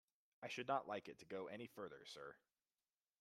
I should not like it to go any further, sir.